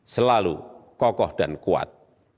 selalu kokoh dan kuat